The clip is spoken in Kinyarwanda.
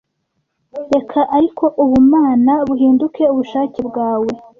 Reka ariko ubumana buhinduke ubushake bwawe!